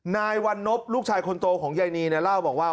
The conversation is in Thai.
นายวันนบลูกชายคนโตของยายนีเนี่ยเล่าบอกว่า